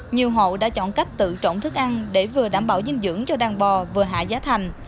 nhiều hộ đã chọn cách tự trọng thức ăn để vừa đảm bảo dinh dưỡng cho đàn bò vừa hạ giá thành